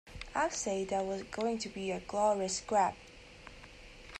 I'd say there was going to be a glorious scrap.